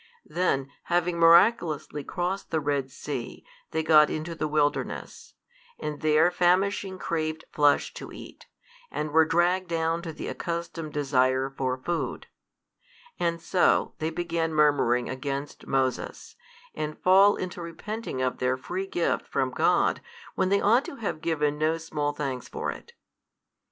Then having miraculously crossed the Red sea, they got into the wilderness: and there famishing craved flesh to eat, and were dragged down to the accustomed desire for food: and so they began murmuring against Moses and fall into repenting of their free gift from God when they ought to have given no small thanks for it.